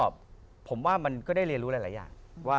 ก็ผมว่ามันก็ได้เรียนรู้หลายอย่าง